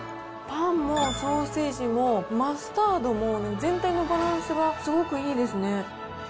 パンもソーセージもマスタードも、全体のバランスがすごくいいですね。